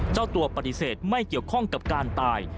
เจ้าตัวปฏิเสธไม่เกี่ยวข้องกับการตาย